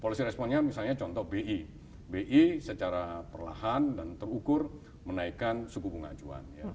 policy response nya misalnya contoh bi bi secara perlahan dan terukur menaikkan suku pengajuan